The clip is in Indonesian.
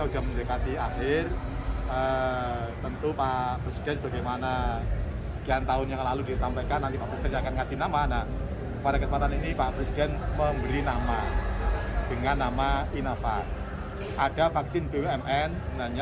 jangan lupa like share dan subscribe ya